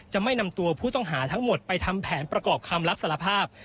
จะไม่นำตัวผู้ต้องหาทั้งหมดไปทำแผนประกอบคำรับสารภาพ